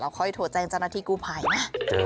เราค่อยโทรแจงจนที่กู้ภัยนะ